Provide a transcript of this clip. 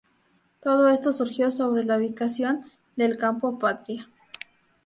Todo esto surgió sobre la ubicación del Campo Patria.